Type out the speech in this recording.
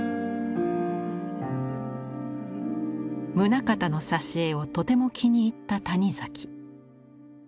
棟方の挿絵をとても気に入った谷崎。